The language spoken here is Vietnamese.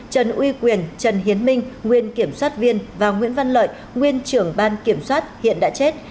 trần uy quyền trần hiến minh nguyên kiểm soát viên và nguyễn văn lợi nguyên trưởng ban kiểm soát hiện đã chết